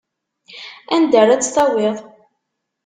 Anda ara tt-tawiḍ?